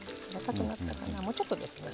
もうちょっとですね。